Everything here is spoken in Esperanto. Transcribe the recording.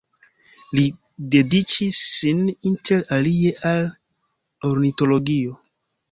Li dediĉis sin inter alie al ornitologio.